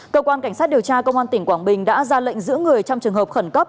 cơ quan cảnh sát điều tra công an tỉnh quảng bình đã ra lệnh giữ người trong trường hợp khẩn cấp